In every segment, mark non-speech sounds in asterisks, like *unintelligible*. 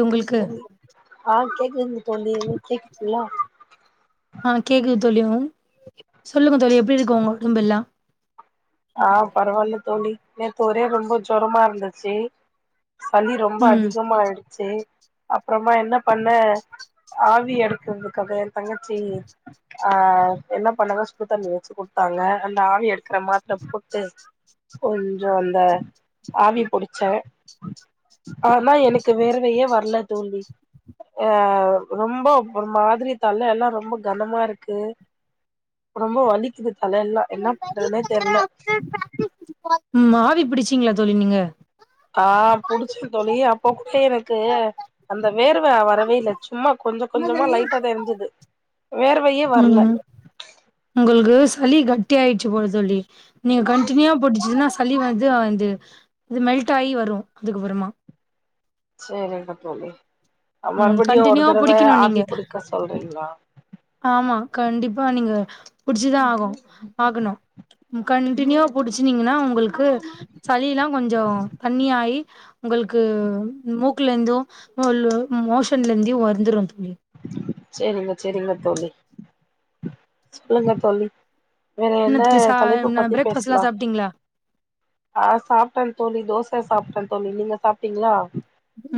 உங்களுக்கு *unintelligible* ஆஹ் கே ஒங்களுக் தோண்டி *unintelligible* ச்சிருச்சுங்கலா ஆ கேக்குது தோழி சொல்லுங்க தோழி எப்டி இருக்கு உங்குளுக்கு ஒடம்புல்லா ஆ பரவால்ல தோழி நேத்து ஒரே ரொம்ப ஜொரமா இருந்துச்சு சளி ரொம்ப ம் அதிகமாயிடுச்சு அப்றோமா என்ன பண்ண ஆவி எடுக்கறதுக்காக அத் தங்கச்சி ஆ என்ன பண்ணாங்க சுடு தண்ணி வெச்சு குடுத்தாங்க அந்த ஆவி எடுக்குற மாத் போட்டு கொஞ்சோ அந்த ஆவி புடிச்சே ஆனா எனக்கு வேர்வையே வரல தோழி அ ரொம்போ ஒரு மாதிரி தல எல்லா ரொம்போ‌ கனமா இருக்கு ரொம்போ வலிக்குது தல எல்லா என்ன ‌பண்றதுனே தெர்ல உம் ஆவி பிடிச்சீங்களா தோழி நீங்க ஆ புடிச்சே தோழி அப்போ கூட எனக்கு இருக்கு அந்த வேர்வ வரவே இல்ல சும்மா கொஞ்சோ கொஞ்சமா லைட்டா தா எரிஞ்சது வேர்வையே வரல உங்குளுக்கு சளி கட்டி ஆயிடுச்சு போல தோழி நீங்க கண்டினியூவா புடிச்சி இன்னா சளி வந்து அது மெல்ட் ஆயி வரோ அதுக்கப்புறமா சேரிங்க தோழி ம் மறுபடியு ஒரு கண்டினியூவா தடவ புடிக்கணு ஆவி நீங்க ‌புடிக்க சொல்றீங்களா ஆமா கண்டிப்பா நீங்க புடிச்சிதா ஆகு ஆகணு கண்டினியூவா புடிச்சுனீங்கனா உங்குளுக்கு சளிலா கொஞ்சோ தண்ணியாயி உங்களுக்கு மூக்குல இருந்து மோஷன்ல இருந்தே வந்துடோ தோழி சேரிங்க சேரிங்க தோழி சொல்லுங்க தோழி வேற என்ன தோழி சா தலைப்பு பத்தி பிரேக்ஃபாஸ்ட்லா பேசுலா சாப்ட்டீங்களா ஆ சாப்டேன் தோழி தோச சாப்டே நீங்க சாப்டீங்களா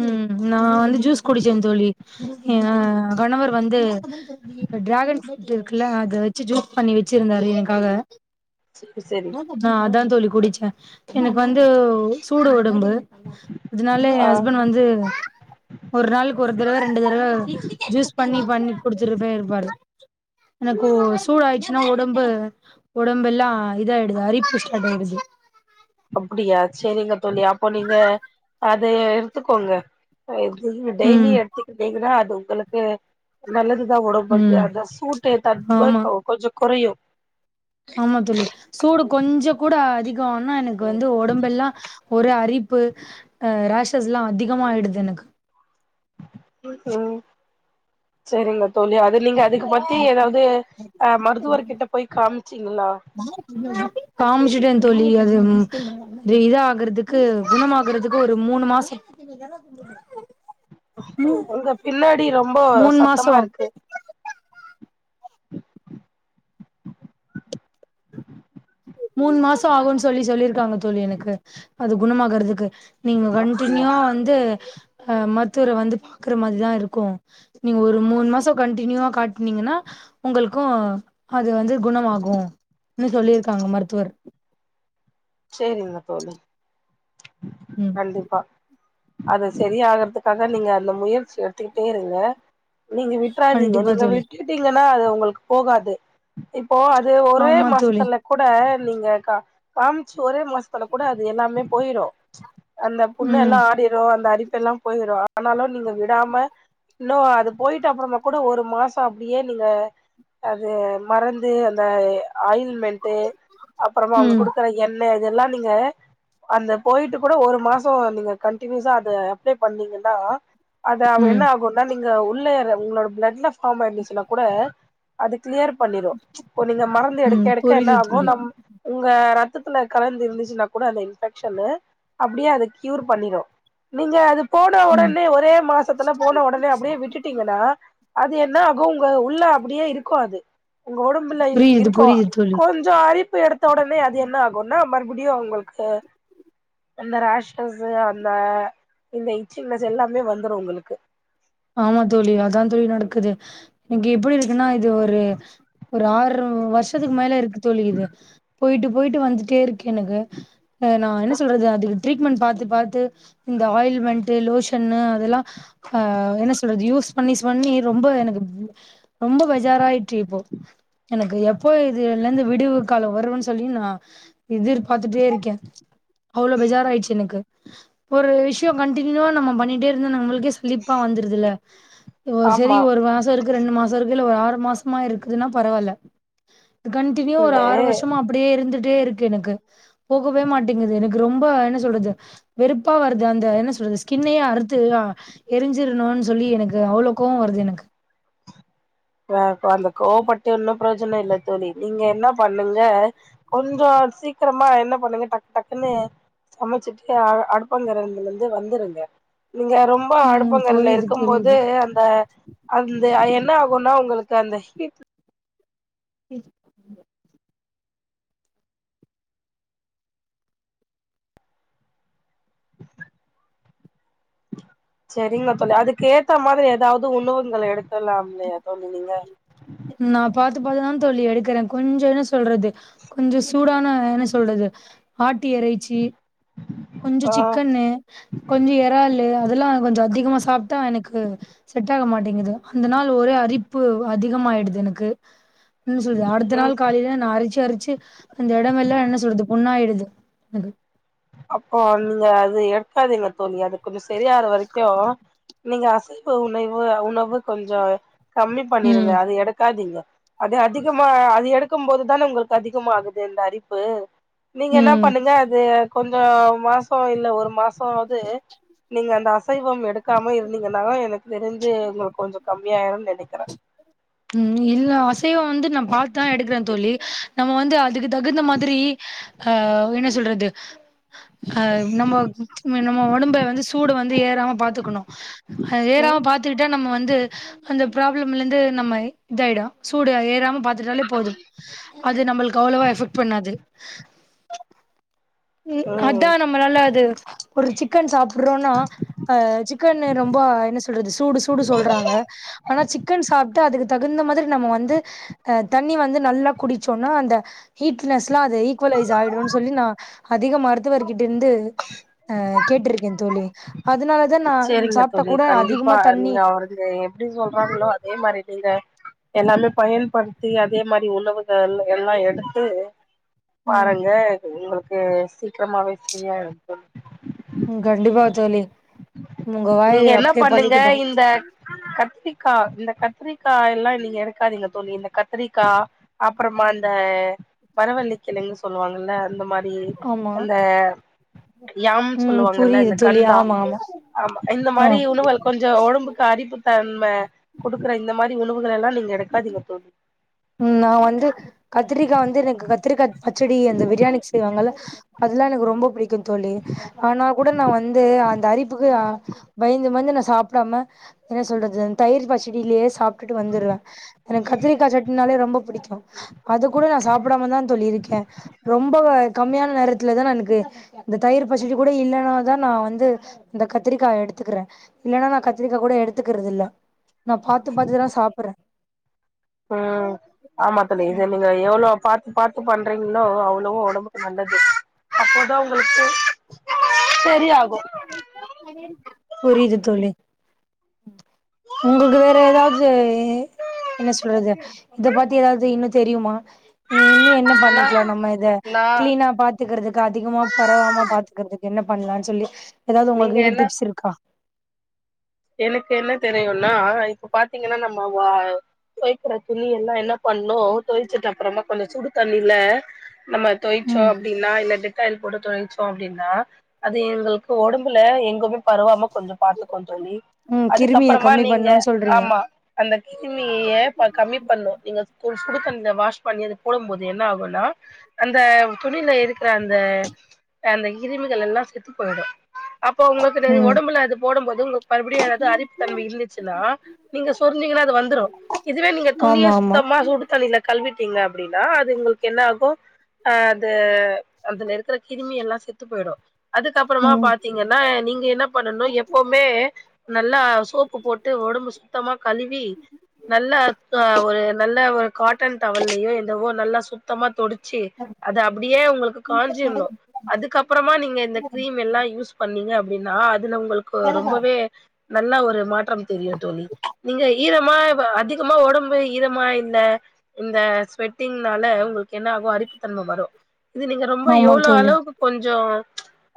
உம் நா வந்து ஜுஸ் குடிச்சே தோழி எனா கணவர் வந்து டிராகன் ஃப்ரூட் இருக்குல அத வெச்சு ஜுஸ் பண்ணி வெச்சிருந்தாரு எனக்காக சேரி சேரி அத்தா தா தோழி குடிச்சே எனக்கு வந்து சூடு ஒத் உடம்பு அதனால எயா ஆ ஹஸ் வந்து ஒரு நாளுக்கு ஒரு தரவ ரெண்டு தரவ ஜூஸ் பண்ணி பண்ணி குடுத்துட்டுப்டே இருப்பாரு எனக்கு சூடு ஆயிடுச்சுனா உடம்பு உடம்பு எல்லா இதாயிடுது அரிப்பு ஸ்டாட் ஆயிடுது அப்டியா சேரிங்க தோழி அப்ப நீங்க அதயே எடுத்துக்கோங்க அ நீங்க டெய்லி ம் எட்த்துக்கிட்டீங்கனா அது உங்களுக் அ நல்லதுங் ந்த ஒடம்புக்கு ம் அந்த சூட்ட தன்த்து ஆமா கொ கொஞ்ச கொறையு ஆமா தோழி சூடு கொஞ்ச கூட அதிக ந்தோன எனக்கு வந்து ஒடம்பெல்லா ஒரே அரிப்பு அ ராஷஸ்லா அதிகமாயிடுது எனக்கு ம் செரிங்க செரிங்க தோழி அது இல்லைங்க அது இத பத்தி எதாவ்து அ மருத்துவர் கிட்ட போய் காமி காமுச்சுட்டே தோழி அது ம் இது இதாகுறத்துக்கு குண மாகுறதுக்கு ஒரு மூணு மாச ஒங்க பின்னாடி ரொம்போ மூணு மாசோ சத்தமா இருக்கு மூண் மாச ஆகுன் சொல்லி சொல்லிருக்காங்க தோழி எனக்கு அது குணமாகறதுக்கு நீங்க அப்டியா கண்ட்டினியூவா வந்து அ மருத்துவர வந்து பாக்குற மாரிதா இருக்கு நீங்க ஒரு மூணு மாச கண்ட்டினியூவா காட்னீங்கனா உங்களுக்கு அது வந்து குணமாகுன்னு சொல்லிரு காங்க மருத்துவர் சேரிங்க தோழி ம் கண்டிப்பா அது செரியாகறதுக்காக நீங்க அந்த முயற்சி எடுத்துக்கிட்டே இருங்க நீங்க விட்றாதீங்க கண்டிப்பா நீங்க தோழி விட்டுட்டீங்கனா அத உங்களுக்கு போகாது இப் இப்போ அது ஒரே ஆமா தோழி மாஸ்த்துல கூட நீங்க கா காமிச்ச ஒரே மாசத்துல கூட அது எல்லாமே போயிரோ அந்த புண்ணு ம் எல்லா ஆரிடூ அந்த அரிப்பெல்லா போயிரு ஆனாலு நீங்க விடாம இன்னு அது போயட்டு அப்புறமா கூட ஒரு மாசோ அப்டியே நீங்க அது மறந்து அந்த ஆயு மென்ட் அப்பறமா அவுங்க ம் குடுக்குற என் இல்ல இதெல்லா நீங்க அந்த போயிட்டு கூட ஒரு மாசோ நீங்க கண்டினியூஸா அத அப்ளை பண்ணீங்கன்னா அது ஆவ் ம் என்ன ஆகுனா நீங்க உள்ள உங்ளோட பிளட்ல பாவமா இருந்துச்சுனா கூட அது கிளியர் பண்ணிரு இப்ப நீங்க மருந்து ம் எடுக்க எடுக்க புரியுது என்னாகு தோழி நம் உங்க ரத் ரத்தத்துல கலந்து இருந்துச்சுனா கூட அந்த இன் பக்ஷ்னு அப்டியே அத கயூர் பண்ணிடு நீங்க அதுப் போன ம் உடனே ஒரே மாசத்துல போன உடனே அப்டியே விட்டுடீங்கன்னா அது என்ன ஆகு உங்க உள்ள அப்படியே இருக்கோ அது உங்க உடம்புல இ புரியுது இருக்கோ புரியுது தோழி கொஞ்சோ அரிப் இப்ப எடுத்த உடனே அது என்ன ஆகும்னா மறுபடியு உங்களுக்கு அந்த ரேஷ்னெஸ் அந்த இந்த இச்சிங்னஸ் எல்லாமே வந்துரோ உங்களுக்கு ஆமா தோழி அதா தோழி நடக்குது இங்க எப்படி இருக்குன்னா இது ஒரு ஒரு ஆறு வருஷத்துக்கு மேல இருக்கு தோழி இது போயிட்டு போயிட்டு வந்துட்டே இருக் எனக்கு நா என்ன சொல்றது அதுக் ட்ரீட்மெண்ட் பாத்து பாத்து இந்த ஆயில்மெண்ட் லோஷன்னு அதெல்லா ஆஹ் என்ன சொல்றது யூஸ் பண்ணிஸ் பண்ணி ரொம்ப எனக்கு ரொம்ப பைஜார ஆயிட்ச்சு இப்போ எனக்கு எப்போ இதுலருந்து விடுவு காலம் வரும்ன் சொல்லி நா எதிர்பார்த்துட்டே இருக்க அவ்ளோ பைஜார ஆயிடுச்சு எனக்கு ஒரு விஷயோ கண்டினியூவா நம்ம பண்ணிட்டே இருந்தோ நம்ள்க் ங்க சலிப்பா வந்து ல்ல ஒரு சரி ஆமா ஒரு மாசோ இருக்கு ரெண்டு மாசோ இருக்கு இதுல ஒரு ஆறு மாசமா இருக்குதுன்னா பரவால்ல கண்டனியூ ஒரு ஆறு இந்த வருஷமா அப்டியே இருந்துட்டே இருக் கு எனக்கு போகவே மாட்டேங்குது எனக்கு ரொம்ப என்ன சொல்றது வெறுப்பா வருது அந்த என்ன சொல் அந்த ஸ்கின்னயே அறுத்து ஆஹ் எரிஞ்சிரு ன்னு சொல்லி எனக்கு அவ்ளோ கோவோ வருது எனக்கு வேப் அந்த கோவப்பட்ட இன்னூ பிரோஜநோ இல்ல தோழி நீங்க என்ன பண்ணுங்க கொஞ்சோ சீக்கிரமா என்ன பண்ணுங்க டக் டக்குன்னு சமைச்சுட்டு அ அடுப்பாங்கறயிலருந்து வந்துருங்க நீங்க ரொம்ப ம் அடுப்பங்கற்ல்ல புரியுது இருக்கும்போது புரியுது அந்த அந்த அயன் போனா உங்களுக்கு அந்த ஹீட் ம் சரிங்க தோலி அதுக்கு ஏத்த மாதிரி ஏதாவது உணவுங்கள எடுக்கலா இல்லயா தோலி நீங்க நா பாார்த்து பார்த்துதா தோலி எடுக்கிற கொஞ்சோ என்ன சொல்றது கொஞ்சோ சூடான என்ன சொல்றது ஆட் ட்டி இறைச்சி கொஞ்சோ ஆ சிக்கனூ கொஞ்ச எறாலு அதால கொஞ்சோ அதிகமா சாப்ட்டா எனக்கு செட் ஆக மாட்டேங்குது அந்த நாள் ஒரே அரிப்பு அத் அதிகமா ஆயிடுது எனக்கு என்ன சொல்றது அடுத்த ம் நாள் காலயில நா அரச்ச அரிப் அந்த இடம் எல்லா என்ன சொல்றது புன்னாஆயிடுது அப்போ அந்த அது எடுக்காதீங்க தோழி அது கொஞ்சோ சரியார வரைக்கு நீங்க அசைவ உணவு உணவு கொஞ்சோ கம்மி பண்ணிருங்க ம் அது எடுக்காதீங்க அது அதிகமா அது எடுக்கும் போதுதானே உங்களுக்கு அதிகமாகுது இந்த அரிப்பு நீங்க என்ன ம் பண்ணுங்க அது கொஞ்சோ மாசோ இல்ல ஒரு மாசோ சோ அது நீங்க அந்த- அசைவம் எடுக்காம இருந்தீங்கன்னா எனக்கு தெரிஞ்சு உங்களுக்கு கொஞ்சம் கம்மியாயிடும்னு நினைக்கிறேன் உம் இல்ல அசைவம் வந்து நம்- அதுதான் எடுக்கறேன் தோழி நம்ம வந்து அதுக்கு- தகுந்த மாதிரி அஹ் என்ன சொல்றது அஹ் நம்ம நம்ம உடம்ப வந்து சூட வந்து ஏறாம பாத்துக்கணும் ஏறாம ம் பாரத்துக்கிட்டா நம்ம வந்து அந்த- பிராப்ளம்ல இருந்து நம்ம- இதாயிடும் சூடு ஏறாம- பாத்துட்டாலே போதும் அது நம்மளுக்கு அவ்வளவா எஃபெக்ட் பண்ணாது உம் ம் அதான் நம்ம நல்லா அது ஒரு சிக்கன் *unintelligible* *unintelligible* சிக்கன் ரொம்ப என்ன சொல்றது சூடு சூடு சொல்றாங்க ஆனா சிக்கன் சாப்பிட்டு அதுக்கு தகுந்த மாதிரி நம்ம வந்து தண்ணி வந்து நல்லா குடிச்சோம்னா அந்த ஹீட்னஸ் து ஈக்குவலைஸ் ஆயிடும் சொல்லி நான் அதிக மருத்துவர் கிட்ட இருந்து அஹ் கேட்டிருக்கேன் தோழி அதனாலதா நா சரிங்க சாப்ட்டா தோழி கூட கண்டிப்பா அதிகமா தண்ணி நீங்க அவருங்க எப்படி சொல்றாங்களோ அதே மாதிரி நீங்க எல்லாமே பயன்படுத்தி அதே மாதிரி உணவுகள் எல்லாம் எடுத்து ம் பாருங்க உங்களுக்கு சீக்கிரமாவே சரியாகிடும் ம் கண்டிப்பா தோழி உங்க வாய் நீங்க என்ன அப்டியே பண்ணுங்க பளிக்கட்டு இந்த கத்திரிக்காய் இந்த- கத்திரிக்காய் எல்லாம் நீங்க எடுக்காதீங்க தோழி இந்த கத்திரிக்காய் அப்புறமா இந்த மரவள்ளிக்கிழங்கு சொல்லுவாங்கல்ல அந்த மாதிரி அப்படி ஆமா அந்த யாம் ம் சொல்லுவாங்கல்ல புரியுது இந்த தோழி கந்தா ஆமா ஆமா ஆமா இந்த மாரி ஆ உணவுல் கொஞ்சோ உடம்புக்கு அரிப்பு தன்ம குடுக்குற இந்த மாரி உணவுகளல்லா நீங்க எடுக்காதீங்க தோழி ம் நா வந்து கத்திரிக்கா வந்து எனக்கு கத்திரிக்கா பச்சடி அந்த பிரியாணிக்கு செய்வாங்கல அதுதா எனக்கு ரொம்ப புடிக்கும் தோழி ஆனா கூட நா வந்து அந்த அரிப்புக்கு பயந்து வந்து நா சாப்பிடாம என்ன சொல்றது தயிர் பச்சடிலே சாப்ட்டுட்டு வந்துருவே என கத்திரிக்கா சட் ரொம்ப புடிக்கு அது கூட நா சாப்டாம தா தோழி இருக்கே ரொம்ப வ அ கம்மியான நேரத்துலதா எனக்கு இந்த தயிர் பச்சடி கூட இல்லன்னா தா நா வந்து இந்த கத்திரிக்கா எடுத்துக்குறே இல்லன்னா நா கத்திரிக்கா கூட எடுத்துக்குறது இல்ல நா பாத்து பாத்துதா சாப்புறே ம் ஆமா தோழி சரி நீங்க எவ்ளோ பா பாத்து பண்றீங்களோ அவ்வளவு ஒடம்புக்கு நல்லது அப்போதா உங்களுக்கு சரியாகு *inaudible* புரியுது தோழி உங்களுக்கு வேற ஏதாச்சு என்ன சொல்றது இத பத்தி எதாவது இன்னு தெரியுமா இன்னு என்ன நா பண்ணிக்கலா நம்ம இத நா கிளீனா பாத்துக்கிறதுக்கு அதிகமா பரவாம பாத்துக்கறதுக்கு என்ன பண்ண சொல்லு எதாவ்து நீங்க உங்களுக்கு வீட என்ன டிப்ஸ் இருக்கா எனக்கு என்ன தெரியுனா இப்ப பாத்தீங்கன்னா நம்ம வா தொவைக்கிற துணி எல்லா என்ன பண்ணு துவைச்சட்டு அப்புறமா கொஞ்சோ சுடு தண்ணில நம்ம தொயிச்சோ ம் அப்டின்னா இல்ல டெட் டாயில் போட்டு தொயிச்சோ அப்டினா அது எங்களுக்கு ஒடம்புல எங்குமே பரவாம கொஞ்சோ பாத்துக்குன் ம் கிருமிய அதுக்கப்புறமா கம்மி நீங்க பண்ணுன்னு சொல்றீங்க ஆமா அந்த கிருமிய இப்ப கம்மி பண்ணு நீங்க தூள் சுடு தண்ணில வாஷ் பண்ணி அது போடும் போது என்ன ஆவும்னா அந்த துணில இருக்கிற அந்த அந்த கிருமிகள் எல்லா செத்து போயிடும் அப்போ உங்களுக்குது ம் ஒடம்புல அது போடம் போ உங்கு மறுபடியு எதாவது அரிப்பு தன்ம இருந்துச்சுன்னா நீங்க சொரிஞ்சீங்கனா அது வந்துரு இதுவே நீங்க துணிய ஆமா ஆமா சுத்தமா சுடு தண்ணில கழிவிட் டிங்க அப்டினா அது உங்களுக்கு என்ன ஆகும் அது அதுல இருக்ற கிருமி எல்லா செத்து போயிரும் அதுக்கப்புறமா ம் பாத்தீங்கனா நீங் என்ன பண்ணணு எப்பவுமே நல்லா சோப்பு போட்டு ஒடம்பு சுத்தமா கழுவி நல்ல ஆ ஒரு நல்ல ஒரு காட்டன் டவல்லயோ எந்தவோ நல்ல சுத்தமா தொடு சு அது அப்டியே உங்களுக்கு காஞ்சினு அதுக்கப்புறமா நீங்க இந்த கிரீம் எல்லா யூஸ் பண்ணீங்க அப்டின்னா அதுல உங்களுக்கு ரொம்பவே நல்லா ஒரு மாற்றம் தெரியு தோழி நீங்க ஈரமா அதிகமா ஒடம்பு ஈரமா இல்ல இந்த ஸ்வெட்டிங்னால உங்களுக்கு என்ன ஆகு அரிப்புத்தன்ம வரு இது நீங்க ரொம்ப ஆமா எவ்ளோ தோழி அளவுக்கு கொஞ்சோ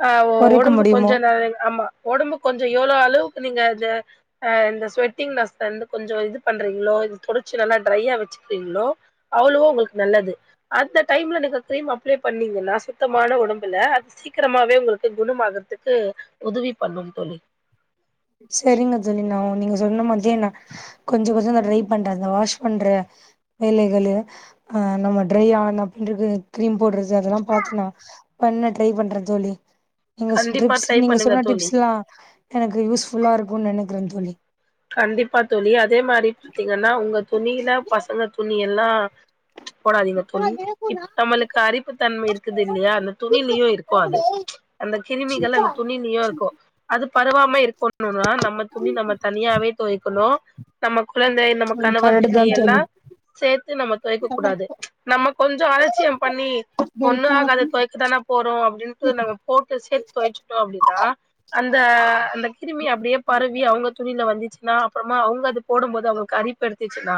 ஆ கொறைக்க ஒடம்பு முடியுமோ கொஞ்சோ நல ஆமா ஒடம்பு கொஞ்சோ எவ்ளோ அளவ் நீங்க அ இந்த ஸ்வெட்டிங் நாஸ்தா வந்து கொஞ்சோ இது பண்றீங்களோ இது தொடச்சு நல்லா ட்ரையா வச்சுக்கிறீங்களோ அவ்வளவோ உங்களுக்கு நல்லது அந்த டைம்ல நீங்க கிரீம் அப்ளை பண்ணீங்கன்னா சுத்தமான உடம்புல அது சீக்கிரமாவே உங்களுக்கு குணம் ஆகுறதுக்கு உதவி பண்ணு தோழி செரிங்க தொழி நா நீங் சொன்ன மாரியே நா கொஞ்சோ கொஞ்சோ ட்ரை பண்ற இந்த வாஷ் பண்ற வேலைகளு அ நம்ம ட்ரை ஆன பின்ருக்கு க்ரீம் போடுறது அதெல்லா பாத்து நா பண்ண ட்ரை பண்ற தோழி நீங்க கண்டிப்பா ட்ரிப்ஸ் ட்ரை நீங்க பண்ணுங்க சொன்ன தோழி டிப்ஸ்ல்லா எனக்குயூஸ் நல்லாருக்குன் நெனைக்கிற தோழி கண்டிப்பா தோழி அதே மாதரி பாத்தீங்கன்னா ஒங்க துணியில பசங்க துணி நீ எல்லா போடாதீங்க தோழி இப் நம்மளுக்கு அரிப்பு தன்மை இருக்குது இல்லையா அந்த துணிலயு இருக்கு அது அந்த கிருமிகள் அந்த துணிலயு இருக்கு அது பா தவாம இருக்கணுனா நம்ம துணி நம்ம தனியாவே துவைக்கணு நம்ம குழந்தை நம்ம ம் கணவர் கரெக்ட் தா துணி எல்லா தோழி சேத்து நம்ம துவைக்க கூடாது நம்ம கொஞ்சோ அலட்சியம் பண்ணி ஒண்ணு ஆகாது தொவைக்க தான போறோ அப்டின்ட்டு நம்ம போட்டு சேத்து தொவச்சிட்டோ அப்டின்னா அந்த அந்த கிருமி அப்டியே பரவி அவ்ங்க துணில வந்துச்சுனா அப்றோமா அவ்ங்க அது போடு போது அவங்களுக்கு அறிப்பெடுத்துச்சுன்னா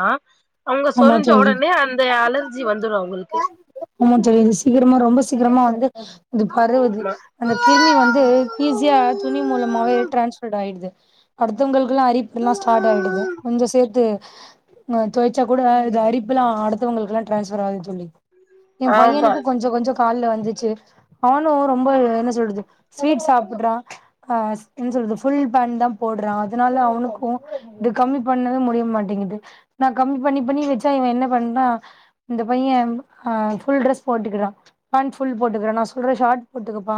ஆமா தொழி வந்துரு அவங்களுக்கு ஆமா தொழி இது சீக்கிரமா ரொம்ப சீக்கிரமா வந்து இது பரவுது அந்த கிருமி வந்து ஈஸியா துணி மூலமாவே டிரான்ஸ்ப்ர்ட் ஆயிடுது அடுத்தவங்கள் லா அரிப்பு எல்லா ஸ்டாட் ஆயடுது கொஞ்சோ சேத்து ஆ தொ வச்சா கூட இது அரிப்புல்லா அடுத்தவங்களுக்கெல்லா டிரான்வர் ஆகுது தோழி எ ஆமா பையனுக்கு கொஞ்ச கொஞ்சோ கால்ல வந்துச்சு அவனு ரொம்ப என்ன சொல்றது ஸ்வீட் சாப்புட்றா ஆ என்ன சொல்றது புல் பேண்ட் தா போடுறா அதனால அவனுக்கு இது கம்மி பண்ணவே முடிய மாட்டேங்கிது நா கம்மி பண்ணி பண்ணி வச்சா இவ என்ன பண்ணா இந்த பையன் ஆ புல் டரெஸ் போட்டுக்கிறா பேண்ட் ஃபுல் போட்டுக்கிறா நா சொல்ற ஷார்ட் போட்டுக்கப்பா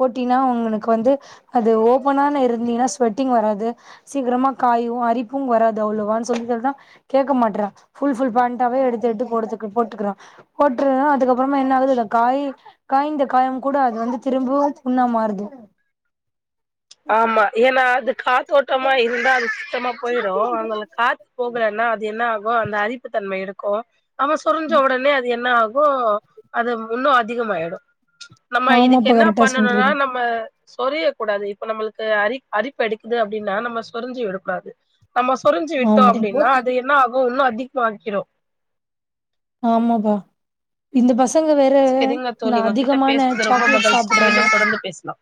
போட்டினா உங்களுக்கு வந்து அது ஓப்பனான இருந்தீனா ஸ்வெட்டிங் வராது சீக்கிரமா காயு அரிப்பு வராது அவ்ளோவா சொல்லி சொ கேக்க மாட்றா புல் ஃபுல் பண்டாவே எடுத்து எடுத்து போ போட்டுக்குறா போட்டு அதுக்கப்புறமா என்ன ஆகுது அத காயி காய்ந்த காயம் கூட அது வந்து திரும்பவு புண்ணா மாறுது ஆமா ஏனா அது காத்தோட்டமா இருந்தா அது சுத்தமா போய்டு அதனால காத்து போகலனா அது அது என்ன ஆகு அந்த அரிப்புத்தன்மை எடுக்கு ஆமா சொரிஞ்ச ஒடனே அது என்ன ஆகு இப்போ அது இன்னு அதிகமாயிடு நம்ம இதுக்கு ஆமாப்பா என்ன கரெக்டா பண்ணணுனா சொல்றீங்க நம்ம சொரியக் கூடாது இப் இப்ப நம்மளுக்கு அரிப்-அரிப்பு எடுக்குது அப்டின்னா நம்ம சொரிஞ்சி விடக்கூடாது நம்ம சொறிஞ்சு விட்டோ ஆமா அப்டின்னா அது என்ன ஆகும் இன்னு அதி பாதிக்கிறோ ஆமாங்க இந்த பசங் சரிங்க தோழி ஒங்க கிட்ட பேசுனது ரொம்ப சாக்லேட் மகிழ்ச்சி. சாப்புட்றாங்க மீண்டும் தொடந்து பேசலா